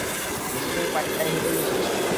নিশ্চয়ই পায়ে হেঁটেই এসেছ!